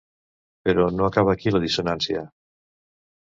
Però no acaba aquí la dissonància.